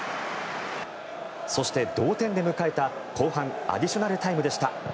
そして、同点で迎えた後半アディショナルタイムでした。